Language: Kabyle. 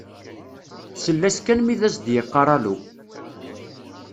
Tsell-as kan mi d as-d-yeqqar alu.